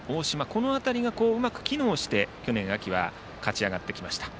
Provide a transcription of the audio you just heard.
この辺りがうまく機能して去年秋は勝ち上がってきました。